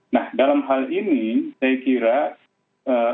nah dalam hal ini saya kira ini adalah hal yang sangat penting dan sangat penting